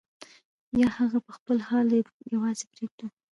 یا هغه په خپل حال یوازې پرېږدو.